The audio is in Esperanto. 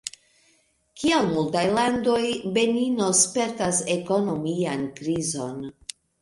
Kiel multaj landoj, Benino spertas ekonomian krizon.